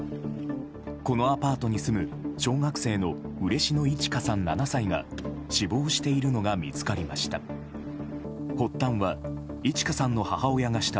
このアパートに住む小学生の嬉野いち花さん、７歳が死亡しているのが見つかりました。